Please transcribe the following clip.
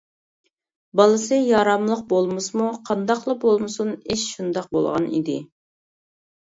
بالىسى ياراملىق بولمىسىمۇ، قانداقلا بولمىسۇن، ئىش شۇنداق بولغان ئىدى.